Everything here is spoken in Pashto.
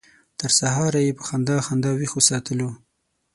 تر سهاره یې په خندا خندا ویښ وساتلو.